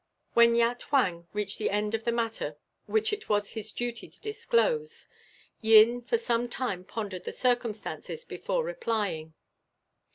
When Yat Huang reached the end of the matter which it was his duty to disclose, Yin for some time pondered the circumstances before replying.